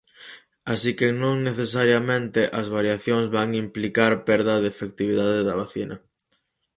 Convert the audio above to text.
Así que non necesariamente as variacións van implicar perda de efectividade da vacina.